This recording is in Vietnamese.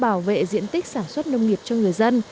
bảo vệ diện tích sản xuất nông nghiệp cho người dân